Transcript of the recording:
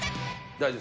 大丈夫？